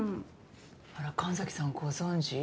あら神崎さんご存じ？